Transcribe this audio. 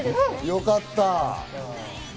よかった。